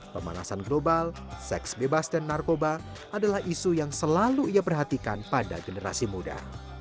pemanasan global seks bebas dan narkoba adalah isu yang selalu ia perhatikan pada generasi muda